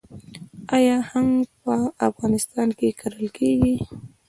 آیا هنګ په افغانستان کې کرل کیږي؟